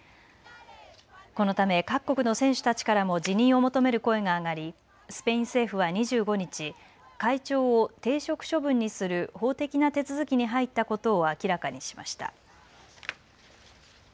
このため各国の選手たちからも辞任を求める声が上がりスペイン政府は２５日、会長を停職処分にする法的な手続きに入ったことを明らかにしました。